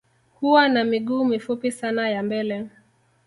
Huwa na miguu mifupi sana ya mbele